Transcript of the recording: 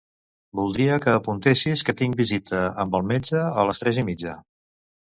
Voldria que apuntessis que tinc visita amb el metge a les tres i mitja.